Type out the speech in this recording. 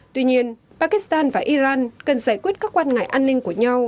tuy nhiên pakistan và iran cần giải quyết các quan ngại an ninh của nhau